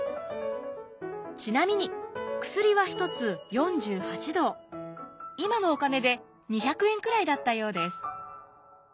ちなみに薬は今のお金で２００円くらいだったようです。